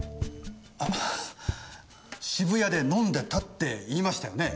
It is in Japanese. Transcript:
あ渋谷で飲んでたって言いましたよね？